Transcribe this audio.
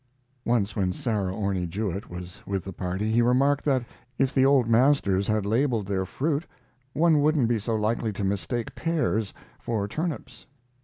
Once when Sarah Orne Jewett was with the party he remarked that if the old masters had labeled their fruit one wouldn't be so likely to mistake pears for turnips.